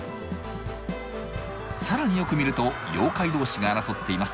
更によく見ると妖怪同士が争っています。